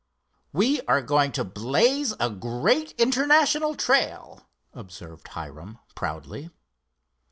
"We are going to blaze a great international trail," observed Hiram, proudly.